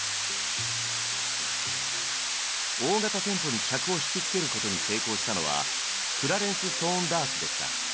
大型店舗に客を引き付けることに成功したのはクラレンス・ソーンダースでした。